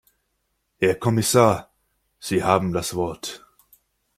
Herr Kommissar, Sie haben das Wort.